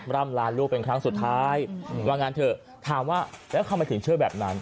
ร่ำลาลูกเป็นครั้งสุดท้ายว่างั้นเถอะถามว่าแล้วทำไมถึงเชื่อแบบนั้น